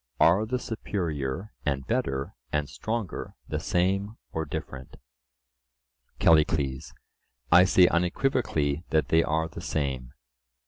Are the superior and better and stronger the same or different? CALLICLES: I say unequivocally that they are the same.